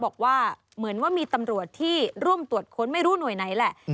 บอกว่าเหมือนว่ามีตำรวจที่ร่วมตรวจค้นไม่รู้หน่วยไหนแหละ